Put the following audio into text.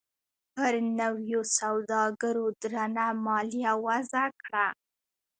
پر نویو سوداګرو درنه مالیه وضعه کړه.